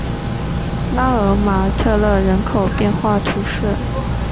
拉马尔特勒人口变化图示